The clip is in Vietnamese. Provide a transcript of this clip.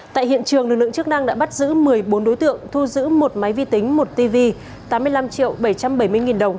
tại hiện trường lực lượng chức năng đã bắt giữ một mươi bốn đối tượng thu giữ một máy vi tính một tv tám mươi năm triệu bảy trăm bảy mươi nghìn đồng